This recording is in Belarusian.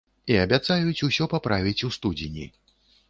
І абяцаюць усё паправіць у студзені.